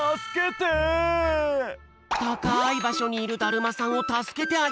たかいばしょにいるだるまさんをたすけてあげよう！